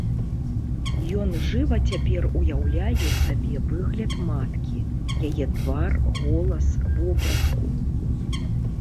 Ён жыва цяпер уяўляе сабе выгляд маткі, яе твар, голас, вопратку.